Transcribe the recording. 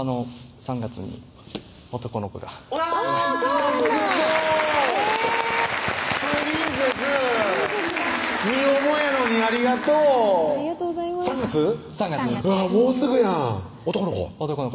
３月もうすぐやん男の子？